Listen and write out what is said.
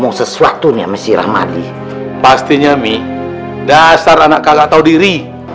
mau sesuatu nih masih ramadi pastinya mi dasar anak kagak tahu diri